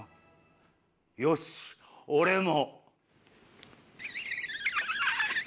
よし俺も。